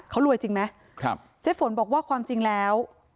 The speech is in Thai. เขารวยจริงไหมครับเจ๊ฝนบอกว่าความจริงแล้ว